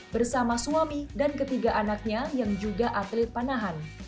bersama suami dan ketiga anaknya yang juga atlet panahan